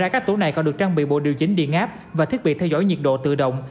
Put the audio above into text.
các tổ này còn được trang bị bộ điều chỉnh điện áp và thiết bị theo dõi nhiệt độ tự động